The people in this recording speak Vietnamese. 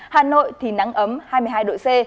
hà nội thì nắng ấm hai mươi hai độ c